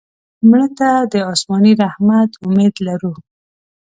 مړه ته د آسماني رحمت امید لرو